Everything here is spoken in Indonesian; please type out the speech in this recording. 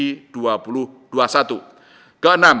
ke enam memperluas pendalaman